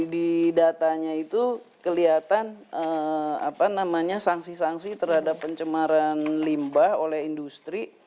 di datanya itu kelihatan saksi saksi terhadap pencemaran limbah oleh industri